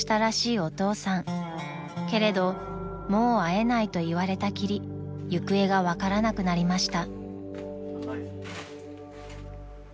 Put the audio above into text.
［けれど「もう会えない」と言われたきり行方が分からなくなりました］